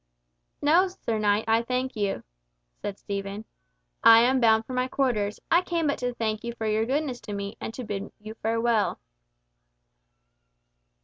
"No, sir knight, I thank you," said Stephen. "I am bound for my quarters, I came but to thank you for your goodness to me, and to bid you farewell."